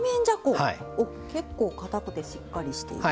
結構かたくてしっかりしている。